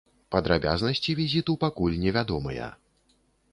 Падрабязнасці візіту пакуль невядомыя.